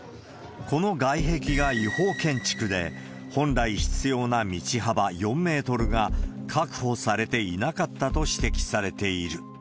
この外壁が違法建築で、本来必要な道幅４メートルが確保されていなかったと指摘されている。